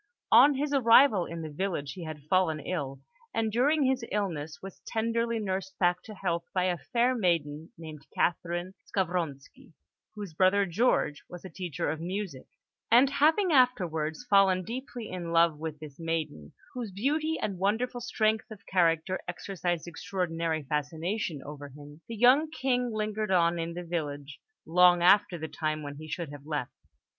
On his arrival in the village, he had fallen ill, and during his illness was tenderly nursed back to health by a fair maiden named Catherine Skavronski, whose brother, George, was a teacher of music; and having afterwards fallen deeply in love with this maiden, whose beauty and wonderful strength of character exercised extraordinary fascination over him, the young King lingered on in the village long after the time when he should have left.